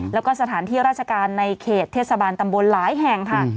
แล้วก็สถานที่ราชการในเขตเทศบาลตำบลหลายแห่งค่ะ